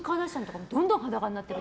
どんどん裸になっていく。